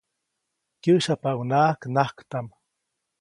Kyäsyapaʼuŋnaʼak najktaʼm.